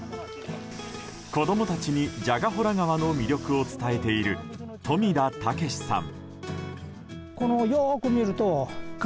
子供たちに蛇ヶ洞川の魅力を伝えている、冨田彪さん。